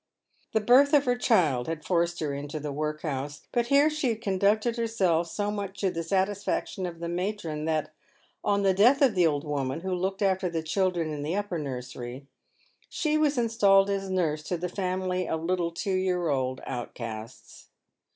The birth of her child had forced her into the workhouse ; but here she had conducted herself so much to the satisfaction of the matron that, on the death of the old woman who looked after the children in the upper nursery, she was installed as nurse to the family of little two year old out casts.